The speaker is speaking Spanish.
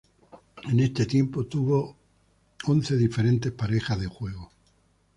En este tiempo tuvo once diferentes parejas de juego.